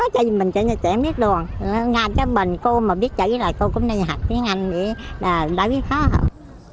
chứ không nói chứ mình sẽ biết luôn nga chứ mình cô mà biết chữ là cô cũng đi học tiếng anh đã biết khó không